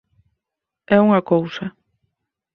é unha cousa